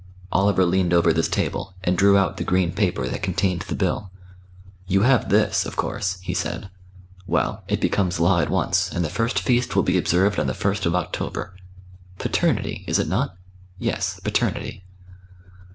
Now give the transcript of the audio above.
Oliver leaned over this table, and drew out the green paper that contained the Bill. "You have this, of course " he said. "Well, it becomes law at once; and the first feast will be observed on the first of October. 'Paternity,' is it not? Yes, Paternity."